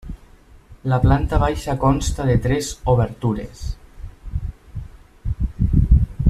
La planta baixa consta de tres obertures.